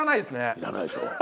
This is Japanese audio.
要らないでしょ？